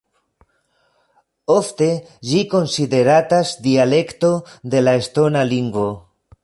Ofte ĝi konsideratas dialekto de la estona lingvo.